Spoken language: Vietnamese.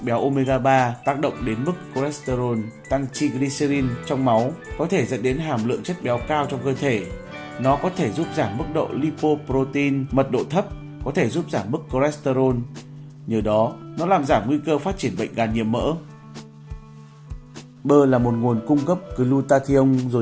bơ là một nguồn cung cấp glutathione dồi dào